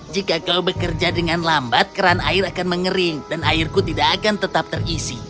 jika kau bekerja dengan lambat keran air akan mengering dan airku tidak akan tetap terisi